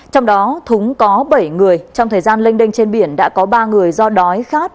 trong đó thúng có bảy người trong thời gian lênh đênh trên biển đã có ba người do đói khát